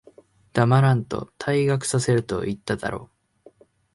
黙らんと、退学させると言っただろ。